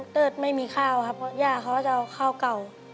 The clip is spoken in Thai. เติร์ธไม่มีข้าวครับย่าเขาจะเอาข้าวเก่า